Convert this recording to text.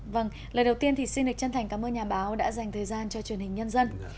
vâng lời đầu tiên thì xin lịch chân thành cảm ơn nhà báo đã dành thời gian cho truyền hình nhân dân